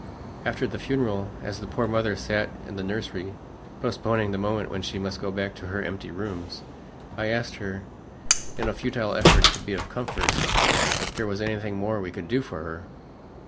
After the funeral, as the poor mother sat in the nursery postponing the moment when she must go back to her empty rooms, I asked her, in a futile effort to be of comfort, if there was anything more we could do for her.